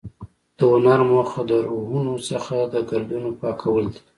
د هنر موخه د روحونو څخه د ګردونو پاکول دي.